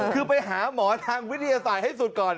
คือไปหาหมอทางวิทยาศาสตร์ให้สุดก่อน